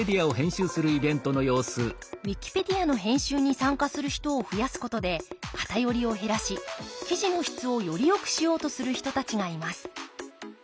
ウィキペディアの編集に参加する人を増やすことで偏りを減らし記事の質をよりよくしようとする人たちがいます。